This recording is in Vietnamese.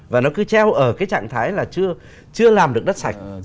và nó cứ treo ở cái trạng thái là chưa làm được đất sạch